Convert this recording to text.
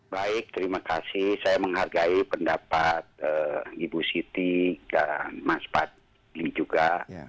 baik terima kasih saya menghargai pendapat ibu siti dan mas fadli juga